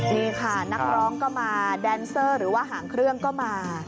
นี่ค่ะนักร้องก็มาแดนเซอร์หรือว่าหางเครื่องก็มา